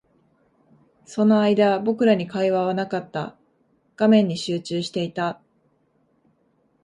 その間、僕らに会話はなかった。画面に集中していた。